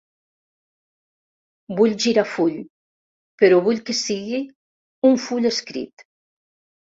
Vull girar full, però vull que sigui un full escrit.